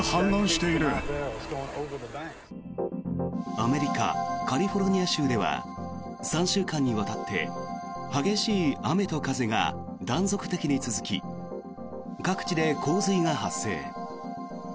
アメリカ・カリフォルニア州では３週間にわたって激しい雨と風が断続的に続き各地で洪水が発生。